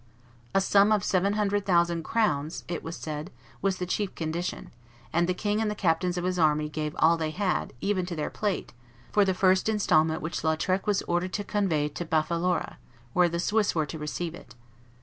A sum of seven hundred thousand crowns, it was said, was the chief condition; and the king and the captains of his army gave all they had, even to their plate, for the first instalment which Lautrec was ordered to convey to Bufalora, where the Swiss were to receive it.